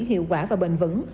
hiệu quả và bền vững